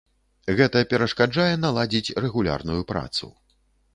Гэта перашкаджае наладзіць рэгулярную працу.